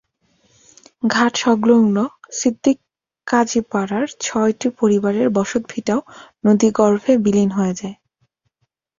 ঘাট-সংলগ্ন সিদ্দিক কাজী পাড়ার ছয়টি পরিবারের বসতভিটাও নদীগর্ভে বিলীন হয়ে যায়।